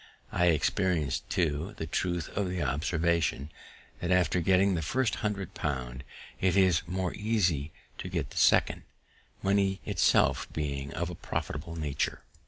I experienced, too, the truth of the observation, "that after getting the first hundred pound, it is more easy to get the second," money itself being of a prolific nature.